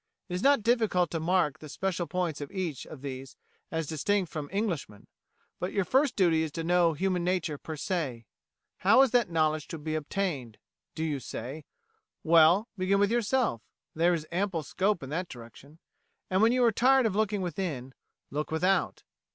It is not difficult to mark the special points of each of these as distinct from the Englishman; but your first duty is to know human nature per se. How is that knowledge to be obtained? do you say! Well, begin with yourself; there is ample scope in that direction. And when you are tired of looking within look without.